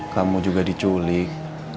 kamu juga diculik